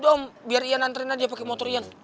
udah om biar yan nganterin aja pake motor yan